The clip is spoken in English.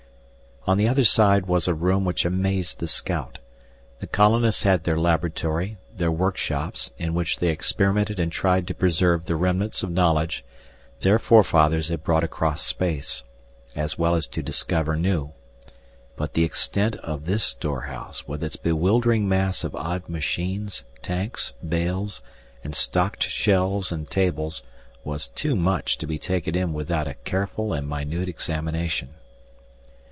On the other side was a room which amazed the scout. The colonists had their laboratory, their workshops, in which they experimented and tried to preserve the remnants of knowledge their forefathers had brought across space, as well as to discover new. But the extent of this storehouse with its bewildering mass of odd machines, tanks, bales, and stocked shelves and tables, was too much to be taken in without a careful and minute examination.